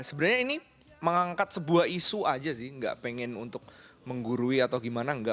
sebenarnya ini mengangkat sebuah isu aja sih nggak pengen untuk menggurui atau gimana